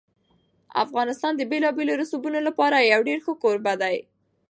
افغانستان د بېلابېلو رسوبونو لپاره یو ډېر ښه کوربه دی.